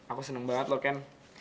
aku senang banget loh ken